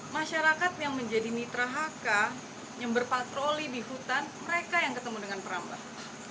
masyarakat yang menjadi mitra hk yang berpatroli di hutan mereka yang ketemu dengan perambah